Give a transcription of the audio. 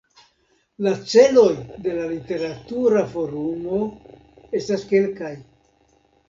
La celoj de la Literatura Forumo estas kelkaj.